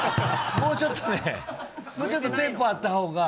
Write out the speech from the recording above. もうちょっとね、もうちょっとテンポあったほうが。